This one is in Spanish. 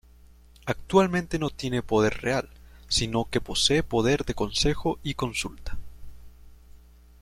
Actualmente no tiene poder real, sino que posee poder de consejo y consulta.